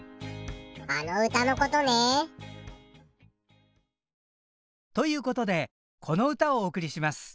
あの歌のことね。ということでこの歌をお送りします。